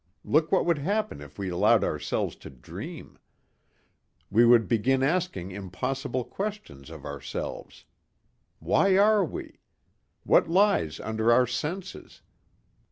Look what would happen if we allowed ourselves to dream. We would begin asking impossible questions of ourselves. Why are we? What lies under our senses?